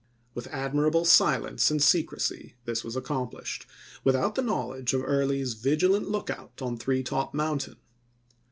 With admir able silence and secrecy this was accomplished, without the knowledge of Early's vigilant lookout on Three Top Mountain.